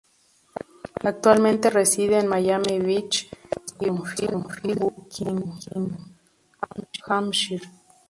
Actualmente reside en Miami Beach y Beaconsfield, Buckinghamshire.